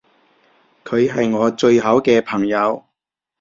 佢係我最好嘅朋友